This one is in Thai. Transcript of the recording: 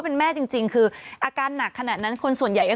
คุณหนุ่มกัญชัยได้เล่าใหญ่ใจความไปสักส่วนใหญ่แล้ว